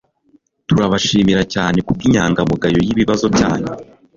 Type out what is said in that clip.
Turabashimira cyane kubwinyangamugayo yibibazo byanyu